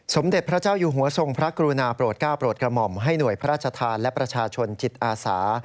สมเด็จพระเจ้าอยู่หัวทรงพระกรุณาโปรดก้าวโปรดกระหม่อมให้หน่วยพระราชทานและประชาชนจิตอาสา